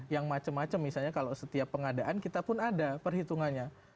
yang macam macam misalnya kalau setiap pengadaan kita pun ada perhitungannya